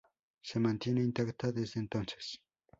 Se mantiene intacta desde entonces.